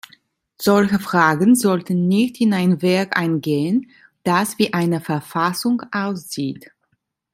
Solche Fragen sollten nicht in ein Werk eingehen, das wie eine Verfassung aussieht.